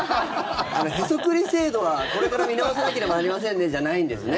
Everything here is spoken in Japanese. へそくり制度がこれから見直さなければなりませんねじゃないんですね。